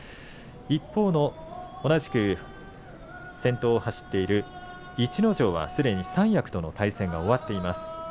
一方の同じく先頭を走っている逸ノ城は、すでに三役との対戦は終わっています。